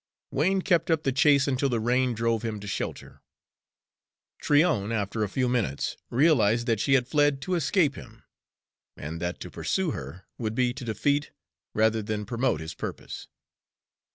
Wain kept up the chase until the rain drove him to shelter. Tryon, after a few minutes, realized that she had fled to escape him, and that to pursue her would be to defeat rather than promote his purpose.